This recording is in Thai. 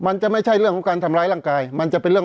เพราะฉะนั้นประชาธิปไตยเนี่ยคือการยอมรับความเห็นที่แตกต่าง